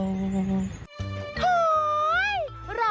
สวัสดีครับ